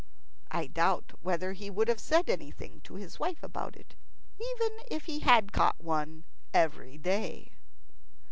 I doubt whether he would have said anything to his wife about it, even if he had caught one every day.